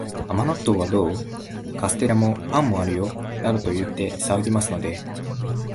甘納豆はどう？カステラも、パンもあるよ、などと言って騒ぎますので、